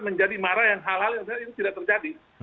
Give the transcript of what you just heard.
menjadi marah yang halal itu tidak terjadi